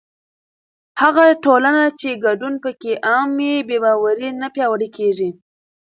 هغه ټولنه چې ګډون پکې عام وي، بې باوري نه پیاوړې کېږي.